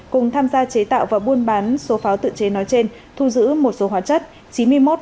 cùng tham gia chế tạo và buôn bán số pháo tự chế nói trên thu giữ một số hóa chất